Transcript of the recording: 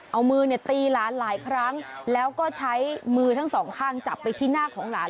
เอามือเนี่ยตีหลานหลายครั้งแล้วก็ใช้มือทั้งสองข้างจับไปที่หน้าของหลาน